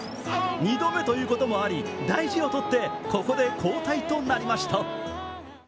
２度目ということもあり大事をとってここで交代となりました。